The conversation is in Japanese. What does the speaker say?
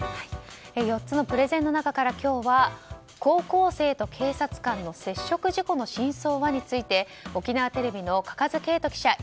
４つのプレゼンの中から今日は高校生と警察官の接触事故の真相は？について沖縄テレビの嘉数圭人記者